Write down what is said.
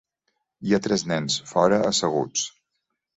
Hi ha tres nens fora asseguts.